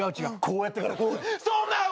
こうやってからこうや。